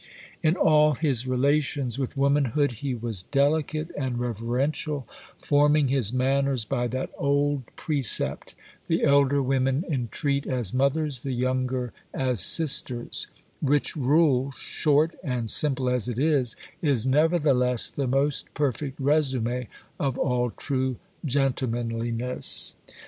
In all his relations with womanhood he was delicate and reverential, forming his manners by that old precept, 'The elder women entreat as mothers, the younger as sisters,'—which rule, short and simple as it is, is nevertheless the most perfect résumé of all true gentlemanliness.